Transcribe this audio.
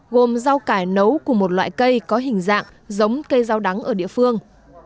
gồm rau cải nấu của một loại cây có hình dạng giống cây rau đắng ở địa phương